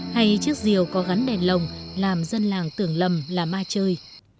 hay chiếc rìu có gắn đèn lồng làm dân làng tưởng lầm là ma chơi